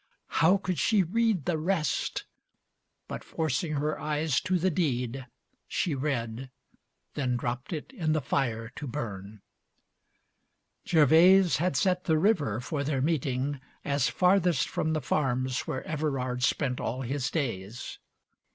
How could she read The rest! But forcing her eyes to the deed, She read. Then dropped it in the fire to burn. LVIII Gervase had set the river for their meeting As farthest from the farms where Everard Spent all his days.